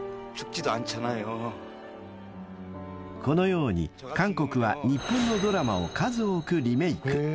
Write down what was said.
［このように韓国は日本のドラマを数多くリメイク］